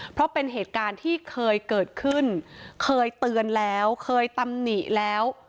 เพราะเป็นเหตุการณ์ที่เคยเกิดขึ้นเคยเตือนแล้วเคยตำหนิแล้ว